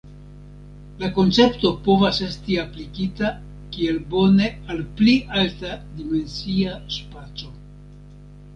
La koncepto povas esti aplikita kiel bone al pli alta-dimensia spaco.